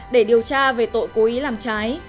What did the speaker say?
để điều tra về tội cố ý làm trái